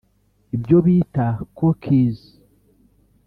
ibyo bita “cookies”